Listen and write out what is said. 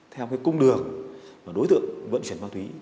theo công đường đối tượng vận chuyển ma túy